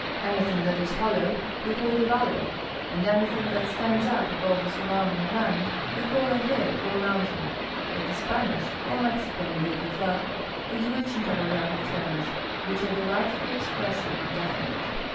Anything that is hol low we call a valley and anything that stands up above the surrounding land we call a hill or mountain ; but the Spanish — or Mexican, if you prefer — is rich in topographic terms which are delightfully expressive and definite.